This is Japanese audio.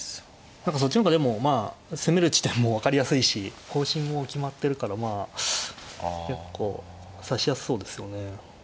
何かそっちの方がでもまあ攻める地点も分かりやすいし方針も決まってるからまあ結構指しやすそうですよね。